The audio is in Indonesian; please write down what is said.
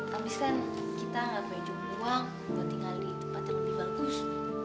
habiskan kita gak perlu jauh jauh buang untuk tinggal di tempat yang lebih bagus